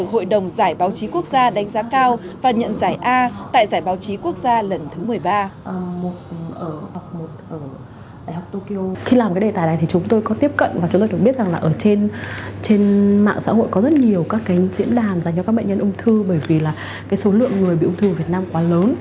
hội đồng giải báo chí quốc gia đánh giá cao và nhận giải a tại giải báo chí quốc gia lần thứ một mươi ba